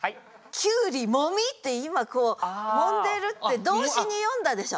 「胡瓜もみ」って今もんでるって動詞に読んだでしょ？